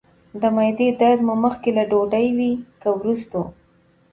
د معدې درد مو مخکې له ډوډۍ وي که وروسته؟